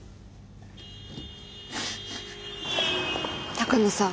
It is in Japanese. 鷹野さん。